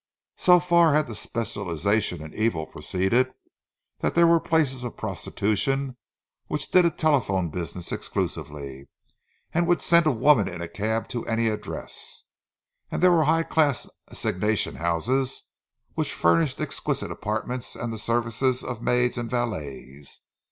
So far had the specialization in evil proceeded that there were places of prostitution which did a telephone business exclusively, and would send a woman in a cab to any address; and there were high class assignation houses, which furnished exquisite apartments and the services of maids and valets.